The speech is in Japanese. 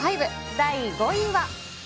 第５位は。